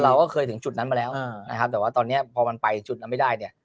เราก็เคยถึงจุดนั้นมาแล้วนะครับแต่ว่าตอนนี้พอมันไปจุดนั้นไม่ได้เนี่ย